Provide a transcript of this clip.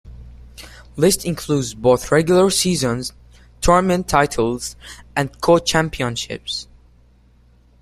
List includes both regular-season, tournament titles, and co-championships.